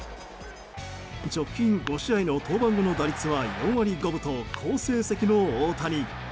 直近５試合の登板後の打率は４割５分と好成績の大谷。